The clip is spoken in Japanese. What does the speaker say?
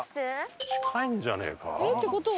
近いんじゃねえか？